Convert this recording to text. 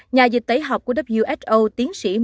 nhà dịch tẩy học của who tiến sĩ marks